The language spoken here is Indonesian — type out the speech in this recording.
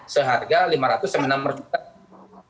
seharga rp lima ratus sembilan puluh enam juta